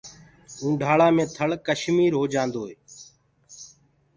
اونڍآݪآ مي ٿݪ ڪشمير هو جآندوئي